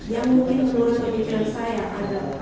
yang mungkin menurut pemikiran saya adalah